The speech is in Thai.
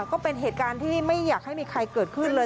ก็เป็นเหตุการณ์ที่ไม่อยากให้มีใครเกิดขึ้นเลย